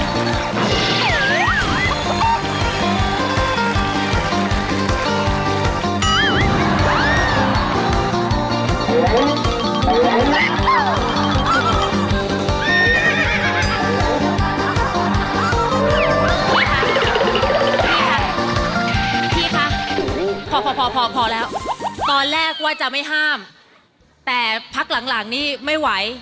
พี่ค่ะพี่คะพอพอแล้วตอนแรกว่าจะไม่ห้ามแต่พักหลังนี่ไม่ไหว